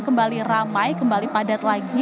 kembali ramai kembali padat lagi